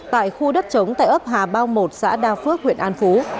tại khu đất chống tại ấp hà bao một xã đa phước huyện an phú